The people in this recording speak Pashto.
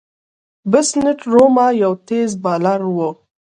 بسنت ورما یو تېز بالر وو.